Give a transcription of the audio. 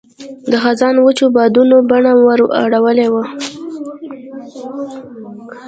د خزان وچو بادونو بڼه ور اړولې وه.